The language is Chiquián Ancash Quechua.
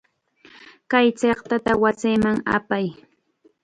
Kay chiqtata wasiman apay.